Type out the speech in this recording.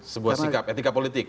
sebuah sikap etika politik